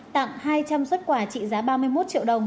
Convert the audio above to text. tặng hai trăm linh xuất quà trị giá ba mươi một triệu đồng